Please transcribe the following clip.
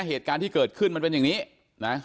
เหตุการณ์ที่เกิดขึ้นมันเป็นอย่างนี้นะ